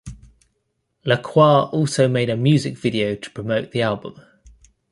LaCroix also made a music video to promote the album.